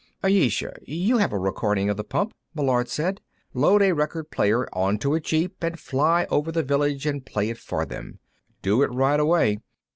"Ayesha, you have a recording of the pump," Meillard said. "Load a record player onto a jeep and fly over the village and play it for them. Do it right away.